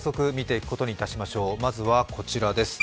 まずはこちらです。